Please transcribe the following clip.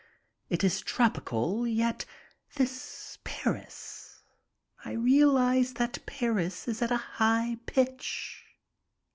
It is tropical yet, this Paris. And I realize that Paris is at a high pitch.